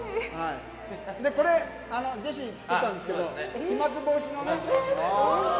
これ、ジェシー作ったんですけど、飛まつ防止のね。